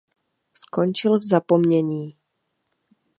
Skončil v zapomnění.